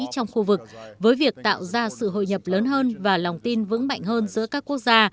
trong khu vực với việc tạo ra sự hội nhập lớn hơn và lòng tin vững mạnh hơn giữa các quốc gia